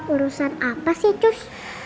urusan apa sih cus